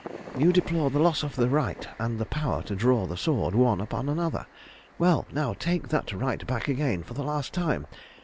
"You deplore the loss of the right and the power to draw the sword one upon another. Well, now, take that right back again for the last time!